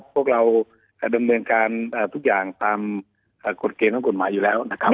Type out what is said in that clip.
พวกเราดำเนินการทุกอย่างตามกฎเกณฑ์ของกฎหมายอยู่แล้วนะครับ